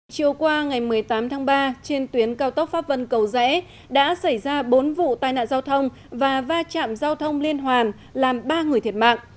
chiều qua ngày một mươi tám tháng ba trên tuyến cao tốc pháp vân cầu rẽ đã xảy ra bốn vụ tai nạn giao thông và va chạm giao thông liên hoàn làm ba người thiệt mạng